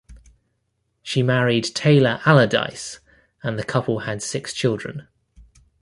She married Taylor Allerdice and the couple had six children.